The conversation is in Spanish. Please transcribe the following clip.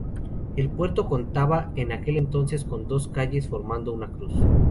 El puerto contaba en aquel entonces con dos calles formando una cruz.